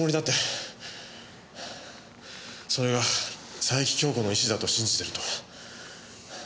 それが佐伯杏子の遺志だと信じてると。